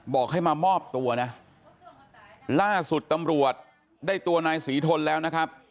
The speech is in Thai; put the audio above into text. บอกให้มามอบตัวนะล่าสุดตำรวจได้ตัวนายศรีทนแล้วนะครับ